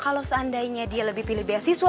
kalau seandainya dia lebih pilih beasiswa